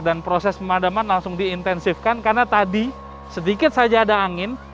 dan proses pemadaman langsung diintensifkan karena tadi sedikit saja ada angin